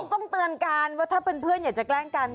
ต้องเตือนกันว่าถ้าเป็นเพื่อนอยากจะแกล้งกัน